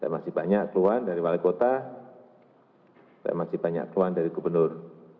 masih banyak keluhan dari wali kota masih banyak keluhan dari gubernur